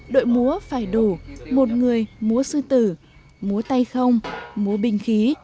đội múa phải đủ một người múa sư tử múa tay không múa bình khí